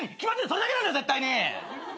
それだけなんだよ絶対に。